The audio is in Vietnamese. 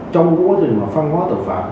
trong quá trình phân hóa tội phạm